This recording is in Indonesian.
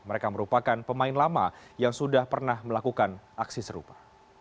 mereka merupakan pemain lama yang sudah pernah melakukan aksi serupa